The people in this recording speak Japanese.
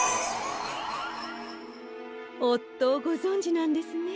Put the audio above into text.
おっとをごぞんじなんですね。